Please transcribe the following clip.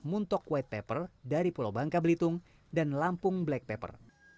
untuk white paper dari pulau bangka belitung dan lampung black pepper